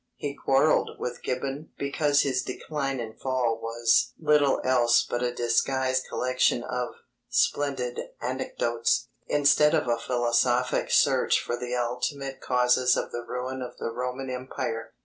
He quarrelled with Gibbon because his Decline and Fall was "little else but a disguised collection of ... splendid anecdotes" instead of a philosophic search for the ultimate causes of the ruin of the Roman Empire.